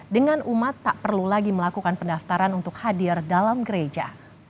dengan umat tak perlu lagi melakukan pendaftaran untuk hadir dalam gereja